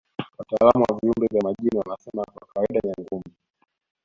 Wataalamu wa viumbe vya majini wanasema kwa kawaida Nyangumi